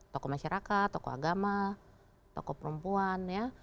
tokoh masyarakat tokoh agama tokoh perempuan ya